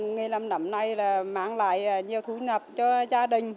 nghề làm nấm này là mang lại nhiều thuốc ngập cho gia đình